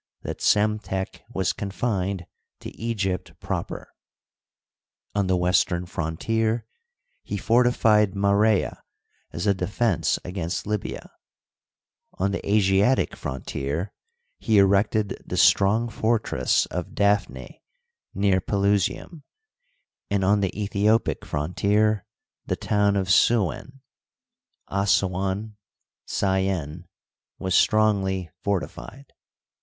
that Psemtek was confined to Egypt proper. On the western frontier he fortified Marea as a defense against Libya; on the Asiatic frontier he erected the strong fortress of Digitized byCjOOQlC 126 HISTORY OF EGYPT, Daphnae near Pelusium, and on the Aethiopic frontier the town of Souen (Assuan, Syene) was strongly fortified.